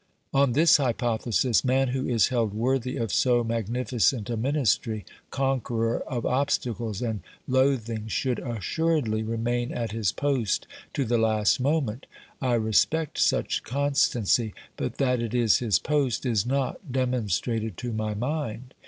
154 OBERMANN On this hypothesis, man who is held worthy of so magnificent a ministry, conqueror of obstacles and loath ings, should assuredly remain at his post to the last moment. I respect such constancy, but that it is his post is not demon strated to my mind.